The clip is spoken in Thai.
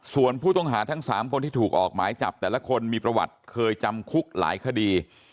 ส่วนผู้ต้องหาทั้ง๓คนที่ถูกออกหมายจับแต่ละคนมีประวัติเคยจำคุกหลายคดี